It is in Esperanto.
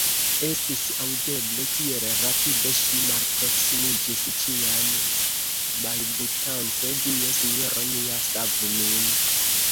Estis aŭdeble, kiel rapide ŝi malproksimiĝis, ĉiam balbutante: Dio Sinjoro nia, savu nin!